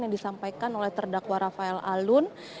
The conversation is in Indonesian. yang disampaikan oleh terdakwa rafael alun